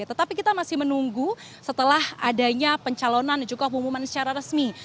tetapi kita masih menunggu setelah adanya pencalonan dan juga pengumuman secara resmi